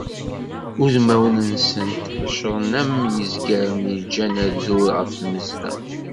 Udmawen-nsent ḥecṛen am yizgaren iggan adur ɣer tmezla.